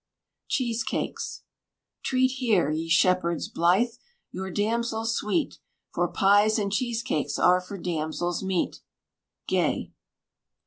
CHEESECAKES. Treat here, ye shepherds blithe! your damsels sweet, For pies and cheesecakes are for damsels meet. GAY.